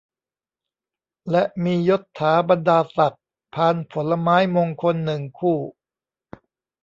และมียศถาบรรดาศักดิ์ พานผลไม้มงคล หนึ่ง คู่